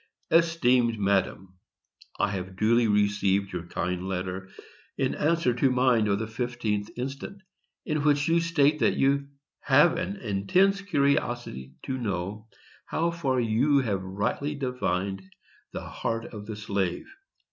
ESTEEMED MADAM: I have duly received your kind letter in answer to mine of the 15th instant, in which you state that you "have an intense curiosity to know how far you have rightly divined the heart of the slave."